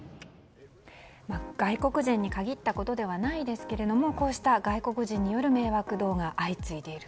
外国人に限ったことではないですがこうした外国人による迷惑動画相次いでいる。